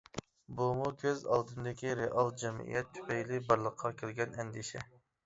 بۇمۇ كۆز ئالدىمدىكى رېئال جەمئىيەت تۈپەيلى بارلىققا كەلگەن ئەندىشە.